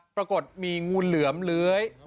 ปรากฏมีงูเหลือมเลื้อย